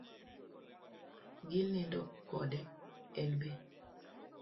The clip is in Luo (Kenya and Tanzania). Ginindo kode en be